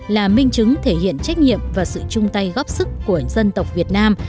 là minh chứng thể hiện trách nhiệm và sự chung tay góp sức của dân tộc việt nam